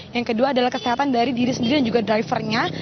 yang kedua adalah kesehatan dari diri sendiri dan juga drivernya